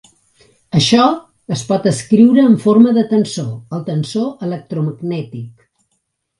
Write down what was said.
Això es pot escriure en forma de tensor: el tensor electromagnètic.